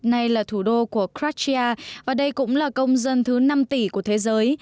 nay là thủ đô của cratia và đây cũng là công dân thứ năm tỷ của thế giới